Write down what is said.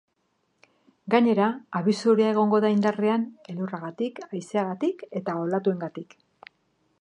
Gainera, abisu horia egongo da indarrean elurragatik, haizeagatik eta olatuengatik.